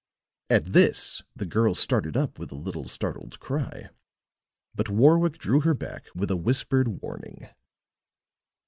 At this the girl started up with a little startled cry; but Warwick drew her back with a whispered warning.